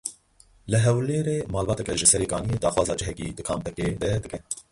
Li Hewlêrê malbateke ji Serê Kaniyê daxwaza cihekî di kampekê de dike.